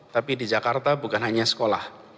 tapi di jakarta bukan hanya sekolah